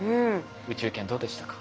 宇宙研どうでしたか？